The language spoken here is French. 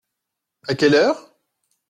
À quelle heure ?